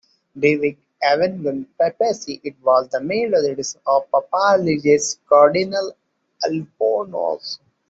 During Avignon Papacy, it was the main residence of the Papal legate Cardinal Albornoz.